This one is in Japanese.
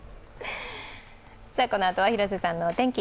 このあとは広瀬さんのお天気。